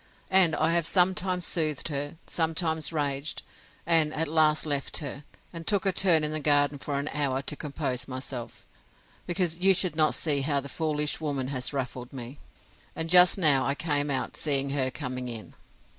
And I have sometimes soothed her, sometimes raged; and at last left her, and took a turn in the garden for an hour to compose myself, because you should not see how the foolish woman has ruffled me; and just now I came out, seeing her coming in.